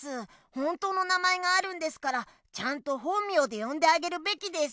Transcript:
本当の名前があるんですからちゃんと本名でよんであげるべきです。